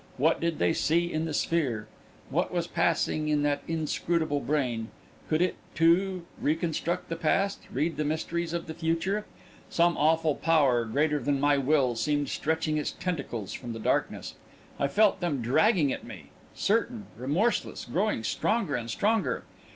What did they see in the sphere? What was passing in that inscrutable brain? Could it, too, reconstruct the past, read the mysteries of the future ... Some awful power, greater than my will, seemed stretching its tentacles from the darkness: I felt them dragging at me, certain, remorseless, growing stronger and stronger